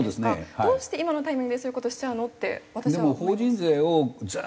どうして今のタイミングでそういう事しちゃうのって私は思います。